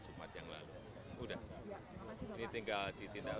pak pendant montry